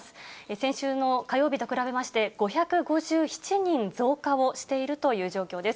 先週の火曜日と比べまして、５５７人増加をしているという状況です。